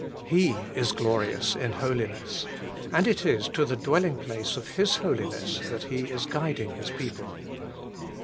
He is glorious in holiness : and it is to the dwelling place of His Holiness that He is guiding His people.